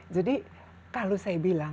jadi kalau saya bilang